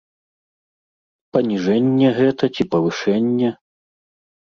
Паніжэнне гэта ці павышэнне?